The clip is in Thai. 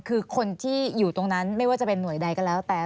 คือคนที่อยู่ตรงนั้นไม่ว่าจะเป็นหน่วยใดก็แล้วแต่